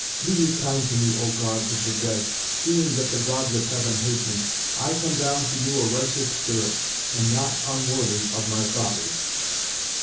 Be ye kind to me, O Gods of the dead, seeing that the Gods of heaven hate me. I come down to you a righteous spirit, and not unworthy of my fathers."